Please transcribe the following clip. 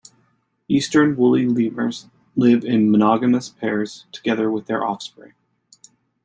Eastern woolly lemurs live in monogamous pairs together with their offspring.